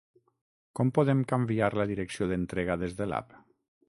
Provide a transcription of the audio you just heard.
Com podem canviar la direcció d'entrega des de l'app?